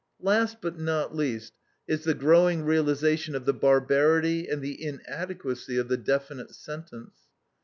Last, but not least, is the growing realization of the barbarity and the inadequacy of the definite sentence.